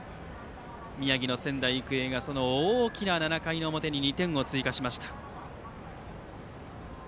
宮城の仙台育英が７回の表に２点を追加しました。